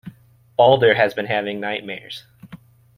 Baldr has been having nightmares.